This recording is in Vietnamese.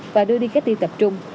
và đưa đi cách ly tập trung